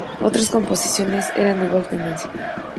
Otras composiciones eran de igual tendencia.